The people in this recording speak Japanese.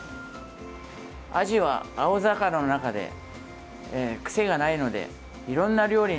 アジは青魚の中で癖がないのでいろんな料理にも合います。